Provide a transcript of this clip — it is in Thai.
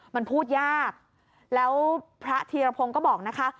มันพูดยากแล้วพระธีรพงศ์ก็บอกนะคะ